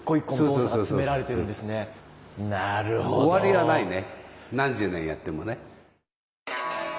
終わりがないね何十年やってもね。